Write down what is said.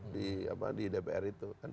di dpr itu